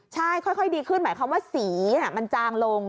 ใช่ค่อยดีขึ้นหมายความว่าสีมันจางลง